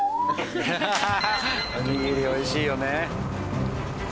おにぎり美味しいよね。